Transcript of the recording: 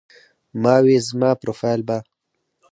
ما وې زما پروفائيل به